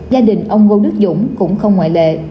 gia đình ông ngô đức dũng cũng không ngoại lệ